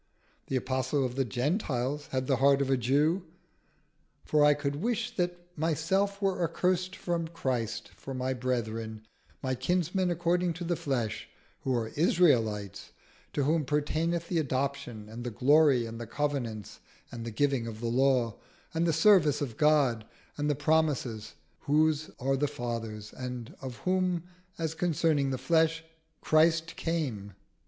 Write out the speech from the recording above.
The Apostle of the Gentiles had the heart of a Jew: "For I could wish that myself were accursed from Christ for my brethren, my kinsmen according to the flesh: who are Israelites; to whom pertaineth the adoption, and the glory, and the covenants, and the giving of the law, and the service of God, and the promises; whose are the fathers, and of whom as concerning the flesh Christ came."